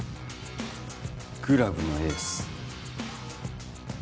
クラブのエース。